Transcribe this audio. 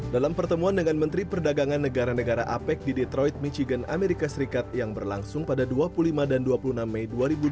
dalam pertemuan dengan menteri perdagangan negara negara apec di detroit michigan amerika serikat yang berlangsung pada dua puluh lima dan dua puluh enam mei dua ribu dua puluh